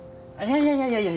いやいやいやいや。